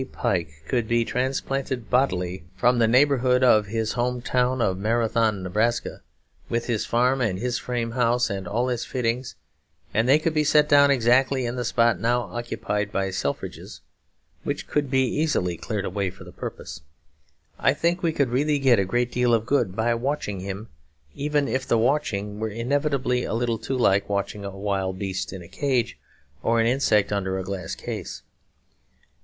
Pike could be transplanted bodily from the neighbourhood of his home town of Marathon, Neb., with his farm and his frame house and all its fittings, and they could be set down exactly in the spot now occupied by Selfridge's (which could be easily cleared away for the purpose), I think we could really get a great deal of good by watching him, even if the watching were inevitably a little too like watching a wild beast in a cage or an insect under a glass case.